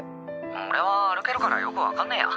オレは歩けるからよく分かんねえや！